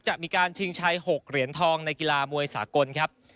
จะมีการชิงชัย๖เหรียญทองในกีฬามวยสากลครับ